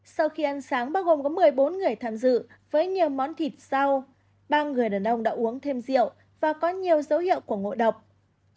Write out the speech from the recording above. sau khi ăn sáng bao gồm có một mươi bốn người tham dự với nhiều món thịt rau ba người đàn ông đã uống thêm rượu và có nhiều dấu hiệu của ngộ độc